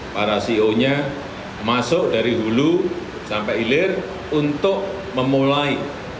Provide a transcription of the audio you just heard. para ceo nya masuk dari hulu sampai hilir untuk memulai